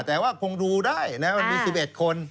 แต่ว่าคงดูได้แบบมี๑๑คน